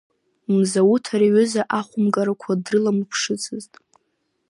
Мзауҭ ари аҩыза ахәымгарақәа дрыламԥшыцызт.